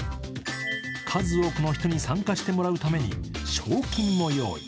数多くの人に参加してもらうために賞金も用意。